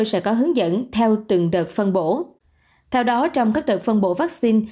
sau từng đợt phân bộ theo đó trong các đợt phân bộ vaccine